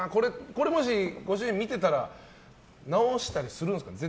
これもしご主人見ていたら直したりするんですかね。